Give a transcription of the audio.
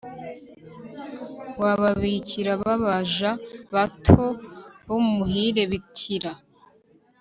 w ababikira b abaja bato b umuhire bikira